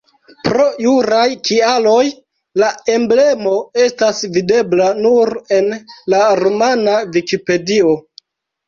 Pro juraj kialoj la emblemo estas videbla nur en la rumana vikipedio.